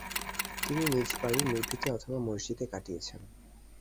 তিনি নিজ বাড়ির নিভৃতে অথবা মসজিদে কাটিয়েছেন।